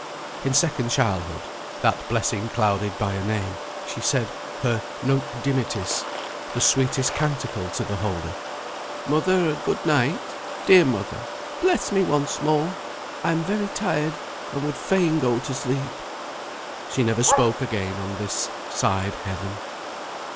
In second childhood (that blessing clouded by a name), she said her "Nunc Dimittis," the sweetest canticle to the holy. "Mother, good night! Dear mother! bless me once more! I'm very tired, and would fain go to sleep." She never spoke again on this side Heaven.